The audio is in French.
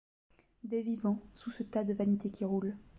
Des vivants, sous ce tas de vanité qui roule